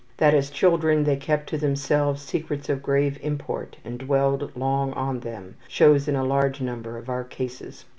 That as children they kept to themselves secrets of grave import and dwelled long on them, shows in a large number of our cases.